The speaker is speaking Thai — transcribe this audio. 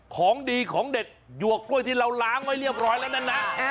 ของดีของเด็ดหยวกกล้วยที่เราล้างไว้เรียบร้อยแล้วนั้นนะ